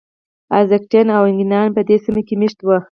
ازتکیان او اینکایان په دې سیمو کې مېشت وو.